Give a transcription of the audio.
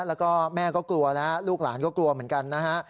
แล้วก็แม่ก็กลัวแล้วลูกหลานก็กลัวเหมือนกันนะฮะ